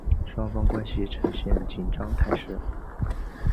双方关系呈现紧张态势。